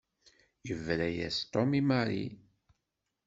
Yebra-yas Tom i Mary.